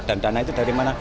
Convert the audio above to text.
dan dana itu dari mana